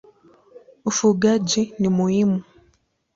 Ufugaji ni muhimu.